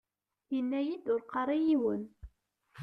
Yenna-iyi-d : Ur qqar i yiwen .